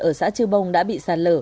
ở xã chư bông đã bị sạt lở